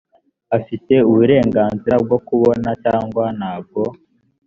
afite uburenganzira bwo kubonana cyangwa ntabwo